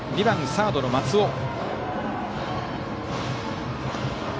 ２番サード、松尾。